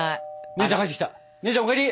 姉ちゃんお帰り！